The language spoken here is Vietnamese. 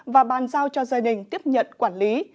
và bàn giao cho gia đình tiếp nhận quản lý